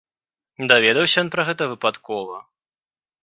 Даведаўся ён пра гэта выпадкова.